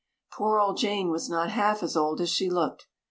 Poor old Jane was not half as old as she looked.